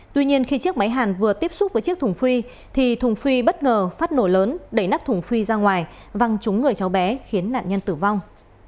tuy nhiên khi chiếc máy hàn vừa tiếp xúc với chiếc thùng phi thì thùng phi bất ngờ phát nổ lớn đẩy nắp thùng phi ra ngoài văng trúng người cháu bé khiến nạn nhân tử vong